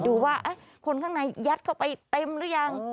ดูว่าคนข้างในยัดเข้าไปเต็มหรือยัง